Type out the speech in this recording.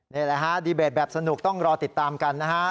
นี่แหละฮะดีเบตแบบสนุกต้องรอติดตามกันนะฮะ